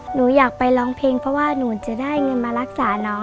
หนูอยากไปร้องเพลงเพราะว่าหนูจะได้เงินมารักษาน้อง